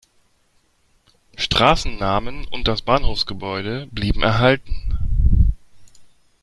Straßennamen und das Bahnhofsgebäude blieben erhalten.